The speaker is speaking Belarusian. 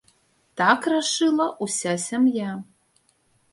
Так рашыла ўся сям'я.